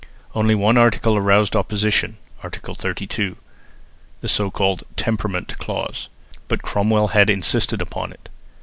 Only one article aroused opposition (Art. 32), the so called "temperament clause"; but Cromwell had insisted upon it.